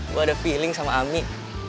gue ada feeling sama ami